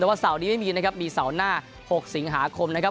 แต่ว่าเสาร์นี้ไม่มีนะครับมีเสาร์หน้า๖สิงหาคมนะครับ